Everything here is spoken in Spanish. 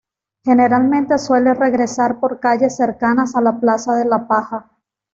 Generalmente suele regresar por calles cercanas a la plaza de la Paja.